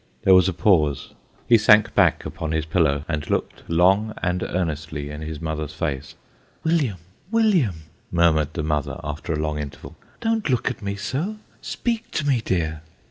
There was a pause. He sunk back upon his pillow, and looked long and earnestly in his mother's face. " William, William !" murmured the mother, after a long interval, " don't look at me so speak to me, dear